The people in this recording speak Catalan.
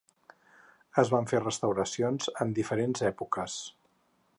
Es van fer restauracions en diferents èpoques.